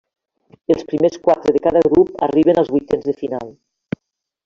Els primers quatre de cada grup arriben als vuitens de final.